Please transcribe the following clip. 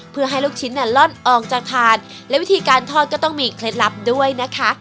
เพื่อให้ลูกชิ้นล่อนออกจากถาดและวิธีการทอดก็ต้องมีเคล็ดลับด้วยนะคะ